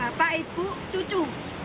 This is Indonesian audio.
bapak ibu cucu